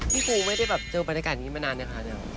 พี่ปูไม่ได้เจอบรรยากาศนี้มานานนะคะเนี่ย